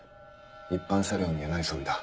一般車両にはない装備だ。